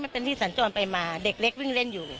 เป็นยังไงบ้าง